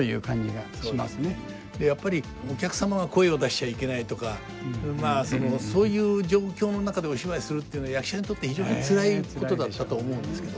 やっぱりお客様が声を出しちゃいけないとかまあそういう状況の中でお芝居するっていうのは役者にとって非常につらいことだったと思うんですけど。